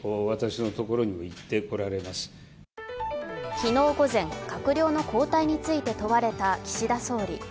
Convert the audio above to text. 昨日午前、閣僚の交代について問われた岸田総理。